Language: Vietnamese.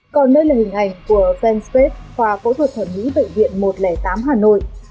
còn đây là hình ảnh của fent space khoa phẫu thuật thẩm mỹ bệnh viện một trăm linh tám hà nội